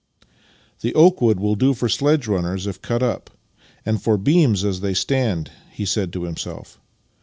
The oak wood will do for sledge runners if cut up, and for beams as they stand," he said to himself.